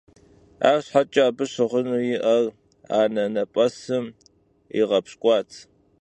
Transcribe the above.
Arşheç'e abı şığınu yi'er anenep'esım yiğepşk'uat.